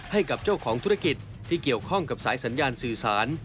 ให้กับเจ้าของธุรกิจที่เกี่ยวข้องกับสายสัญญาณสื่อสาร